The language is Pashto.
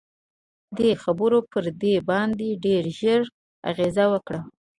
دې خبرو پر دوی باندې ډېر ژور اغېز وکړ